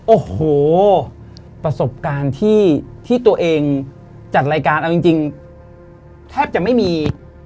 โอ้โหประสบการณ์ที่ตัวเองจัดรายการเอาจริงแทบจะไม่มี